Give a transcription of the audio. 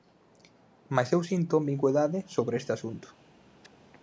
Mais eu sinto ambigüidade sobre este asunto.